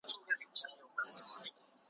چي هر څومره منډه کړو شاته پاتیږو ,